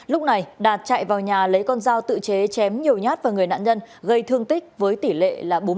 lúc này đạt chạy vào nhà lấy con dao tự chế chém nhiều nhát vào người nạn nhân gây thương tích với tỷ lệ là bốn mươi